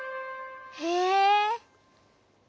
へえ。